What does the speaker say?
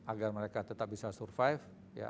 agar mereka tetap bisa survive